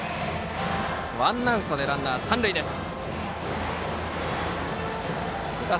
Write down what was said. ワンアウトでランナー、三塁です。